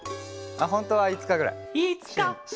あっほんとはいつかぐらい。